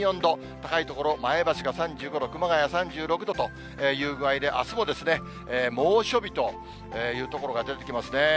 高い所、前橋が３５度、熊谷３６度という具合で、あすも猛暑日という所が出てきますね。